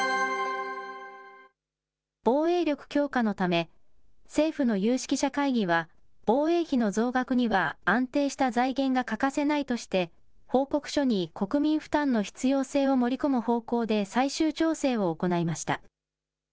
防衛力強化のため、政府の有識者会議は防衛費の増額には安定した財源が欠かせないとして、報告書に国民負担の必要性を盛り込む方向で最終調整を行いました。